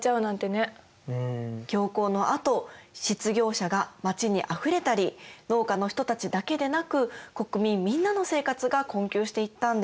恐慌のあと失業者が街にあふれたり農家の人たちだけでなく国民みんなの生活が困窮していったんです。